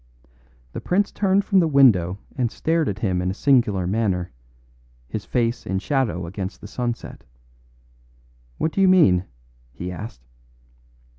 The prince turned from the window and stared at him in a singular manner, his face in shadow against the sunset. "What do you mean?" he asked.